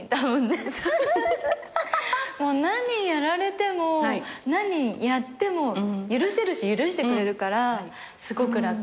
何やられても何やっても許せるし許してくれるからすごく楽なところがあって。